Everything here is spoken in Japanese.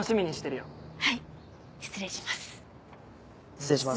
失礼します。